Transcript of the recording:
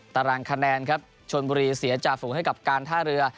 ตารางคะแนนครับชนบุรีเสียจ่าฝูงให้กับการท่าเรือ